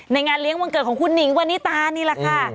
งานเลี้ยงวันเกิดของคุณหนิงวันนี้ตานี่แหละค่ะ